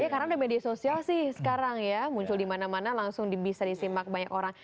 karena ada media sosial sih sekarang ya muncul dimana mana langsung bisa disimak banyak orang